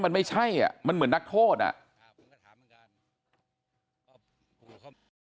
มันไม่ใช่อ่ะมันเหมือนนักโทษอ่ะ